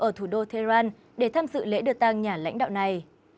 ở thủ đô tehran để tham dự lễ được tăng nhà lãnh đạo này